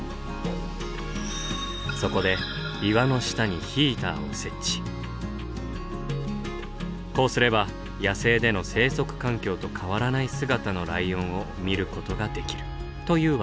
そこで岩の下にこうすれば野生での生息環境と変わらない姿のライオンを見ることができるというわけなんです。